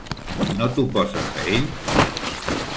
No t'oposes a ell?